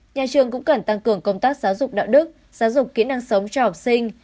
nhà trường cũng cần tăng cường công tác giáo dục đạo đức giáo dục kỹ năng sống cho học sinh